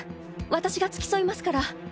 私が付き添いますから。